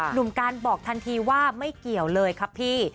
หนุ่มการบอกทันทีว่าไม่เกี่ยวเลยครับพี่